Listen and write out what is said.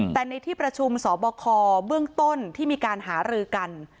แต่ในที่ประชุมสบคเบื้องต้นที่มีการหารือกัน